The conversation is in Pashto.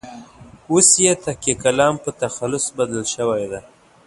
اوس یې تکیه کلام په تخلص بدل شوی دی.